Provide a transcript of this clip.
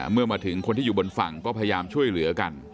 เมื่อมาถึงคนที่อยู่บนฝั่งก็พยายามช่วยเหลือกัน